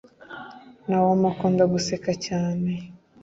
nawomi akunda guseka cyane